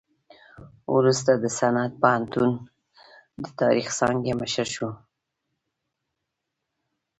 وروسته د سند پوهنتون د تاریخ څانګې مشر شو.